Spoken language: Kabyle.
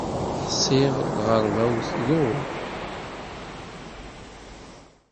Ḥṣiɣ lɣerba-w tḍul.